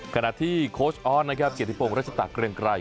ขณะที่โคชออนเกียรติโปรงรัชฎาเกรียงไกร